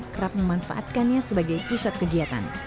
kerap memanfaatkannya sebagai pusat kegiatan